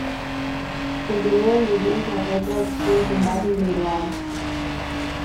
Continuen vigents les regles d'un combat individual.